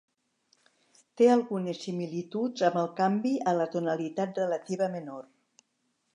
Té algunes similituds amb el canvi a la tonalitat relativa menor.